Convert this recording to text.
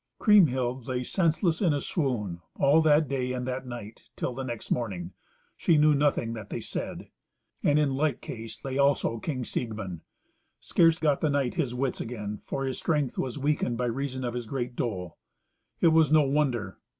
Kriemhild lay senseless in a swoon all that day and that night, till the next morning; she knew nothing that they said. And in like case lay also King Siegmund. Scarce got the knight his wits again, for his strength was weakened by reason of his great dole. It was no wonder.